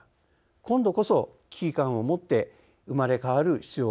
今度こそ危機感を持って生まれ変わる必要があると思います。